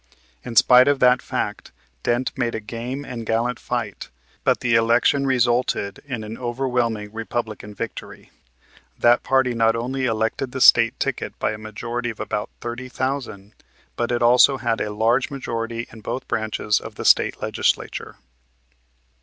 In spite of that fact Dent made a game and gallant fight; but the election resulted in an overwhelming Republican victory. That party not only elected the State ticket by a majority of about 30,000 but it also had a large majority in both branches of the State Legislature.